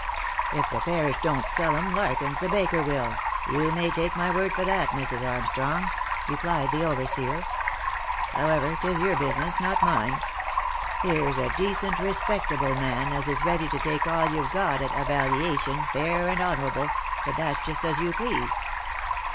"If the parish don't sell 'em, Larkins the baker will, you may take my word for that, Mrs. Armstrong," replied the overseer. " However, 'tis your business, not mine. Here's a decent, respect OF MICHAEL ARMSTRONG. 41 able man, as is ready to take all you've got at a valiation, fair and honourable, but that's just as you please.